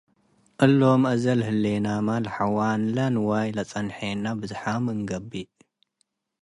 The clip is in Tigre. እሎም አዜ ለህሌናመ ለሓዋንለ ንዋይ ለጸንሔነ ብዝሓም እንገብእ ።